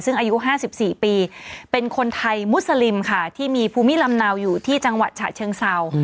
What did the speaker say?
ซึ่งอายุ๕๔ปีเป็นคนไทยมุสลิมค่ะที่มีภูมิลำเนาอยู่ที่จังหวัดฉะเชิงเศร้า